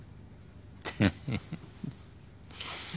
フフフ